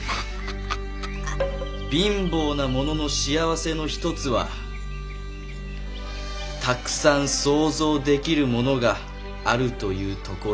「貧乏な者の幸せの一つはたくさん想像できるものがあるというところだわね」。